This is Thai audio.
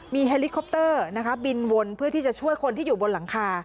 เฮลิคอปเตอร์บินวนเพื่อที่จะช่วยคนที่อยู่บนหลังคา